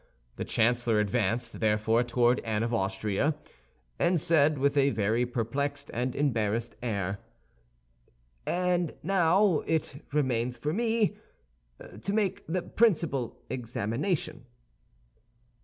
The chancellor advanced, therefore, toward Anne of Austria, and said with a very perplexed and embarrassed air, "And now it remains for me to make the principal examination."